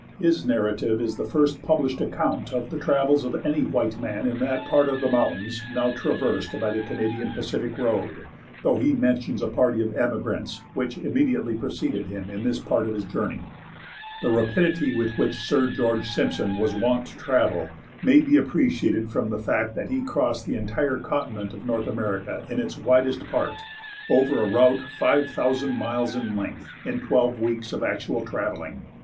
His narrative is the first published account of the travels of any white man in that part of the mountains now traversed by the Canadian Pacific Road, though he mentions a party of emigrants which immediately preceded him in this part of his journey. The rapidity with which Sir George Simpson was wont to travel may be appreciated from the fact that he crossed the entire continent of North America in its widest part, over a route five thousand miles in length, in twelve weeks of actual travelling.